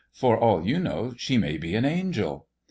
For all you know, she may be an angel."